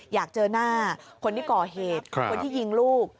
อยากเจอหน้าคนที่ก่อเหตุคนที่ยิงลูก